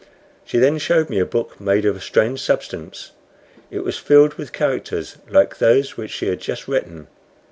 She then showed me a book made of a strange substance. It was filled with characters like those which she had just written.